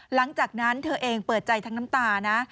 หลังจากนั้นเธอเองเปิดใจทั้งน้ำตานะ